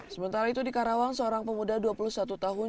sementara itu di karawang seorang pemuda dua puluh satu tahun